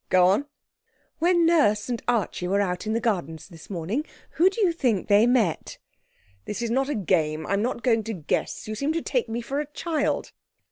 'Go on.' 'When Nurse and Archie were out in the Gardens this morning, who do you think they met?' 'This is not a game. I'm not going to guess. You seem to take me for a child.'